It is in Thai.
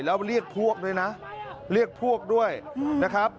แล้วเรียกพวกด้วยนะเรียกพวกด้วยนะครับ